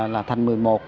là thành một mươi một